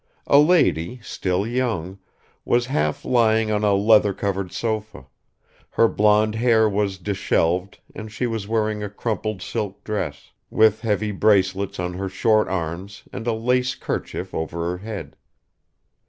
A lady, still young, was half lying on a leather covered sofa; her blonde hair was disheveled and she was wearing a crumpled silk dress, with heavy bracelets on her short arms and a lace kerchief over her head.